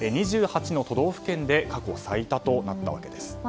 ２８の都道府県で過去最多となったんです。